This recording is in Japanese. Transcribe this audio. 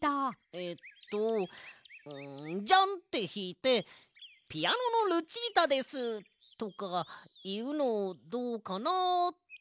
えっとんジャンってひいて「ピアノのルチータです！」とかいうのどうかなって。